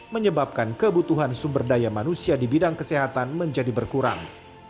menyebabkan kebutuhan sumber daya manusia di bidang kesehatan menjadi berkurang